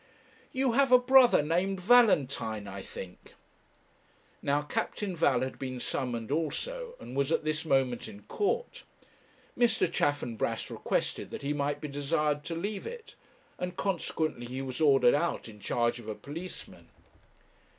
'You have a brother, named Valentine, I think.' Now Captain Val had been summoned also, and was at this moment in court. Mr. Chaffanbrass requested that he might be desired to leave it, and, consequently, he was ordered out in charge of a policeman.